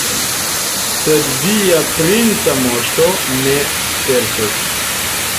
Sed via princa moŝto ne serĉos.